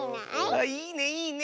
あっいいねいいね。